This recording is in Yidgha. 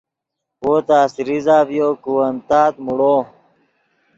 وو تس ریزہ ڤیو کہ ون تات موڑو